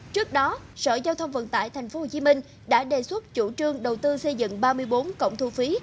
trước đó sở giao thông vận tải tp hcm đã đề xuất chủ trương đầu tư xây dựng ba mươi bốn cổng thu phí